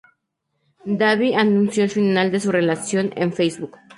Davy anunció el final de su relación en Facebook.